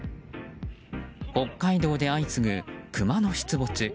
北海道で相次ぐクマの出没。